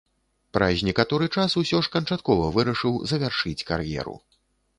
Праз некаторы час усё ж канчаткова вырашыў завяршыць кар'еру.